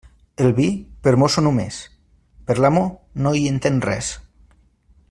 El vi, per mosso només; per l'amo, no hi entén res.